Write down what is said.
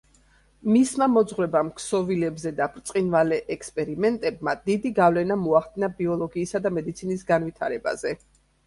მისმა მოძღვრებამ ქსოვილებზე და ბრწყინვალე ექსპერიმენტებმა დიდი გავლენა მოახდინა ბიოლოგიისა და მედიცინის განვითარებაზე.